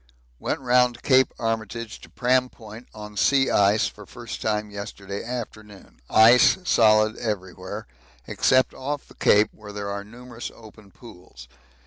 Went round Cape Armitage to Pram Point on sea ice for first time yesterday afternoon. Ice solid everywhere, except off the Cape, where there are numerous open pools.